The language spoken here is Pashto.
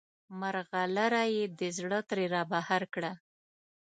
مرغلره یې د زړه ترې رابهر کړه.